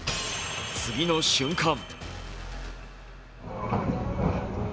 次の瞬間。